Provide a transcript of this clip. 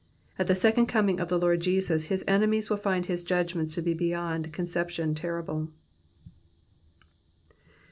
At the second coming of the Lord Jesus, his enemies will find his judgments to be beyond conception terrible.